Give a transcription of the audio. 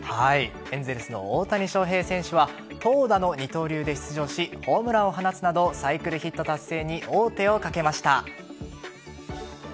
エンゼルスの大谷翔平選手は投打の二刀流で出場しホームランを放つなどサイクルヒット達成に王手をかけました。